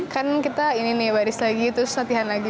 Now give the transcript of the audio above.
kan kita ini nih baris lagi terus latihan lagi